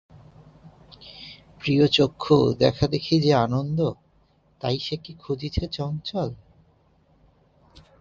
প্রিয়চক্ষু-দেখাদেখি যে আনন্দ তাই সে কি খুঁজিছে চঞ্চল?